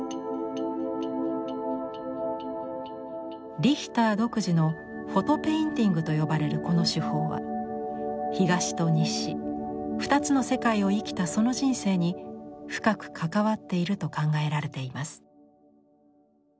リヒター独自の「フォト・ペインティング」と呼ばれるこの手法は東と西２つの世界を生きたその人生に深く関わっていると考えられています。